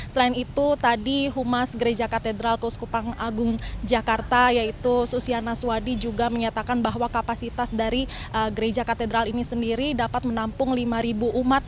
selain itu tadi humas gereja katedral kuskupang agung jakarta yaitu susiana swadi juga menyatakan bahwa kapasitas dari gereja katedral ini sendiri dapat menampung lima umat